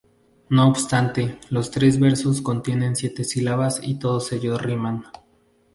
No obstante, los tres versos contienen siete sílabas y todos ellos riman.